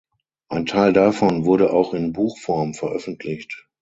Ein Teil davon wurde auch in Buchform veröffentlicht.